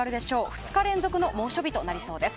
２日連続の猛暑日となりそうです。